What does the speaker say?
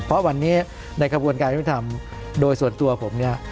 เพราะวันนี้ในกระบวนการยุทธรรมโดยส่วนตัวผมเนี่ย